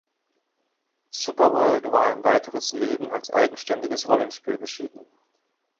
"Superworld" war ein weiteres Leben als eigenständiges Rollenspiel beschieden.